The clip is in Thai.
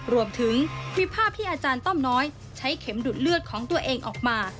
รวมถึงมีภาพที่อาจารย์ต้อมน้อยใช้เข็มดูดเลือดของตัวเองออกมา